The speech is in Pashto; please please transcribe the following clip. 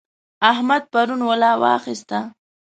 احمد پرون ولا واخيسته.